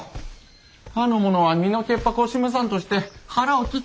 かの者は身の潔白を示さんとして腹を切った。